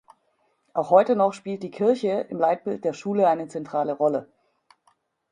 Auch heute noch spielt die Kirche im Leitbild der Schule eine zentrale Rolle.